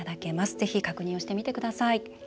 ぜひ確認をしてみてください。